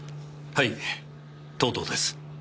はい藤堂です。